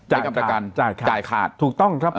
ให้กับประกันจ่ายคาดถูกต้องครับ